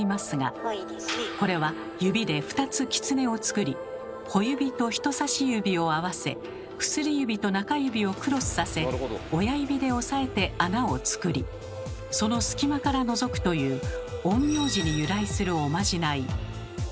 これは指で２つ狐を作り小指と人差し指を合わせ薬指と中指をクロスさせ親指で押さえて穴を作りその隙間からのぞくという陰陽師に由来するおまじない。